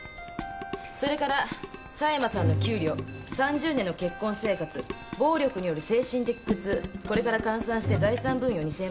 それから狭山さんの給料３０年の結婚生活暴力による精神的苦痛これから換算して財産分与２，０００万円